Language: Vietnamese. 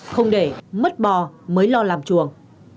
không để mất bò mới lo làm chuồng